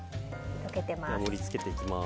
溶けてます。